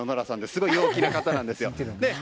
すごい陽気な方なんですよ。